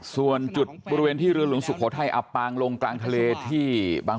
ส่วนจุดบริเวณที่เรือหลวงสุโขทัยอับปางลงกลางทะเลที่บาง